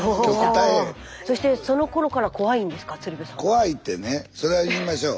怖いってねそれは言いましょう。